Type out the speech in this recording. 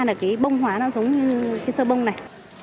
là cái bông hóa nó giống như cái sơ bông này